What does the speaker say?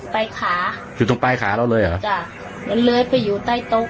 ขาอยู่ตรงปลายขาเราเลยเหรอจ้ะแล้วเลื้อยไปอยู่ใต้โต๊ะ